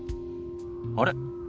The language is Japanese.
あれ？